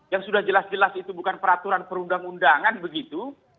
yang sudah jelas jelas itu bukan peraturan perundang undangan begitu